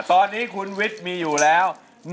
ตอนนี้คุณวิทย์มีอยู่แล้ว